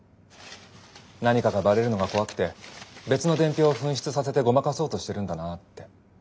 何かがばれるのが怖くて別の伝票を紛失させてごまかそうとしてるんだなって。